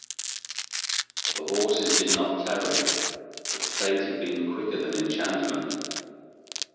The horses did not tarry, but fate had been quicker than enchantment.